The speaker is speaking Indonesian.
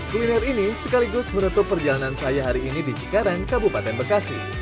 kuliner ini sekaligus menutup perjalanan saya hari ini di cikarang kabupaten bekasi